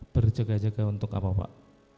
berjaga jaga untuk apa pak